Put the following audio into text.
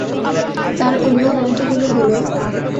তার অন্য গ্রন্থগুলো হলো-